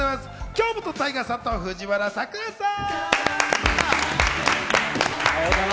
京本大我さんと藤原さくらさん。